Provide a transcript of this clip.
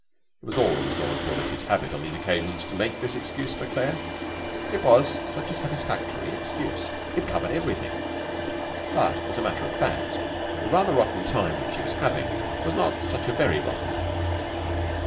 It was always Lord Dawlish's habit on these occasions to make this excuse for Claire. It was such a satisfactory excuse. It covered everything. But, as a matter of fact, the rather rotten time which she was having was not such a very rotten one.